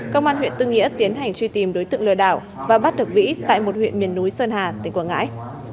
công an huyện tư nghĩa tiến hành truy tìm đối tượng lừa đảo và bắt được vĩ tại một huyện miền núi sơn hà tỉnh quảng ngãi